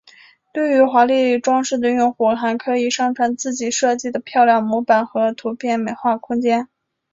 对于喜欢华丽装饰的用户还可以上传自己设计的漂亮模板和图片美化空间。